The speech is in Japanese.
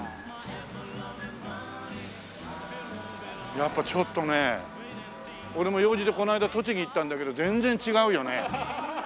やっぱちょっとね俺も用事でこの間栃木行ったんだけど全然違うよね。